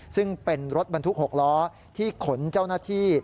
ซึ่งเป็นรถบรรทุก๖ล้อที่ขนเจ้าหน้าที่